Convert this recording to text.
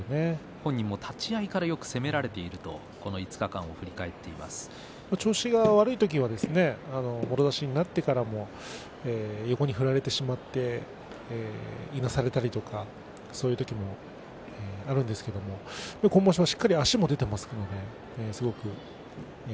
本人も立ち合いからよく攻められているとこの５日間、振り返って調子が悪い時はもろ差しになったから横に張られてしまっていなされたりとかいうことはあるんですけれども今場所はしっかり足も出ていますからね。